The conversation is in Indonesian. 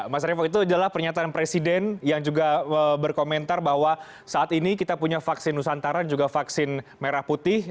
mas revo itu adalah pernyataan presiden yang juga berkomentar bahwa saat ini kita punya vaksin nusantara dan juga vaksin merah putih